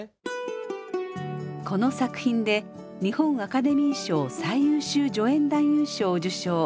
この作品で日本アカデミー賞最優秀助演男優賞を受賞。